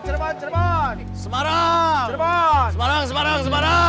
semarang semarang semarang